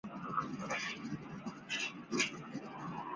椭圆流石蛾为流石蛾科流石蛾属下的一个种。